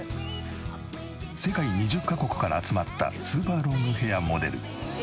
世界２０カ国から集まったスーパーロングヘアモデル。